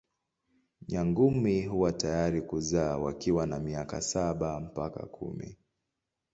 Nyangumi huwa tayari kuzaa wakiwa na miaka saba mpaka kumi.